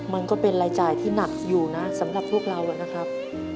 มันก็เป็นรายจ่ายที่หนักอยู่นะสำหรับพวกเรานะครับ